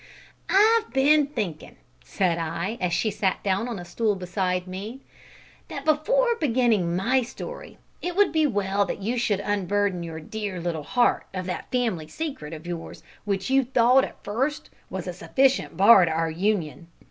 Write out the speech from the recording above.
"I've been thinking," said I, as she sat down on a stool beside me, "that before beginning my story, it would be well that you should unburden your dear little heart of that family secret of yours which you thought at first was a sufficient bar to our union.